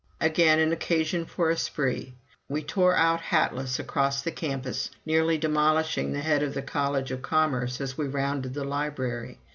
Again an occasion for a spree! We tore out hatless across the campus, nearly demolishing the head of the College of Commerce as we rounded the Library.